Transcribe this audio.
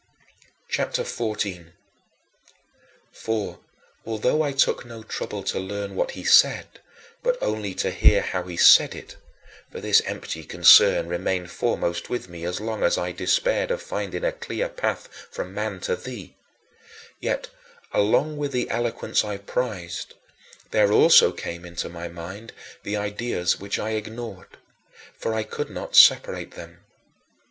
CHAPTER XIV 24. For, although I took no trouble to learn what he said, but only to hear how he said it for this empty concern remained foremost with me as long as I despaired of finding a clear path from man to thee yet, along with the eloquence I prized, there also came into my mind the ideas which I ignored; for I could not separate them.